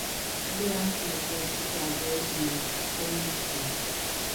Daddy Yankee referred to the collaboration as "gold school".